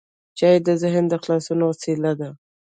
چای د ذهن د خلاصون وسیله ده.